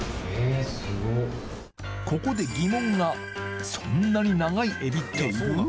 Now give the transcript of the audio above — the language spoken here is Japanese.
ここで疑問がそんなに長いエビっている？